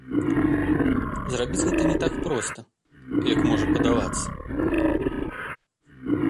Зрабіць гэта не так проста, як можа падавацца.